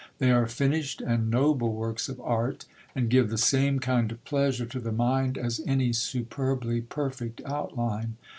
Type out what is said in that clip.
They are finished and noble works of art, and give the same kind of pleasure to the mind as any superbly perfect outline.